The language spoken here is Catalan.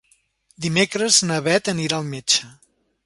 Dimecres na Beth anirà al metge.